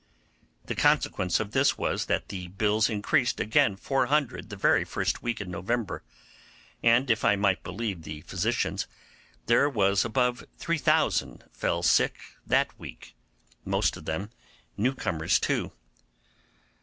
The consequence of this was, that the bills increased again 400 the very first week in November; and if I might believe the physicians, there was above 3000 fell sick that week, most of them new comers, too.